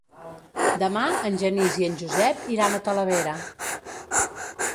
Demà en Genís i en Josep iran a Talavera.